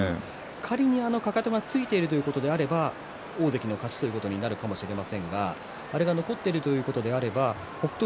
仮に、あのかかとがついているということだと大関の勝ちかもしれませんがあれが残っているということであれば北勝